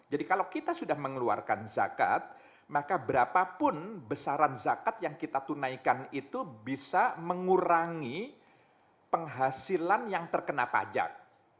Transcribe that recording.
jadi kalau kita sudah mengeluarkan zakat maka berapapun besaran zakat yang kita tunaikan itu bisa mengurangi penghasilan yang terkena pajak